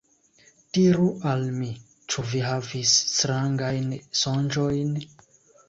Diru al mi. Ĉu vi havis strangajn sonĝojn?